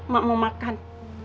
mak mau makan